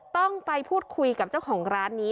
ต้องไปพูดคุยกับเจ้าของร้านนี้